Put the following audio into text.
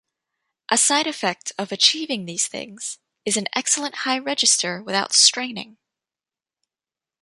A side effect of achieving these things is an excellent high register without straining.